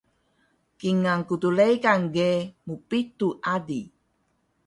Kingal gndregan ge mpitu ali